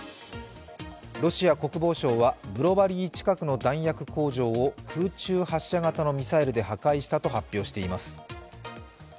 ロシア国防省はブロバリー近くの弾薬工場を空中発射型のミサイルで破壊したと発表しています。